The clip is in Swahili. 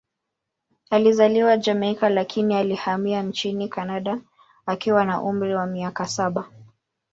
Alizaliwa Jamaika, lakini alihamia nchini Kanada akiwa na umri wa miaka saba.